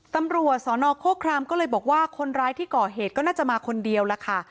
ตำรวจสนโครครามก็เลยบอกว่าคนร้ายที่ก่อเหตุก็น่าจะมาคนเดียวล่ะค่ะ